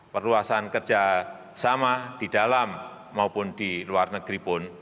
perluasan kerjasama di dalam maupun di luar negeri pun